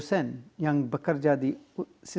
satu dari empat dosen yang bekerja di inggris ayo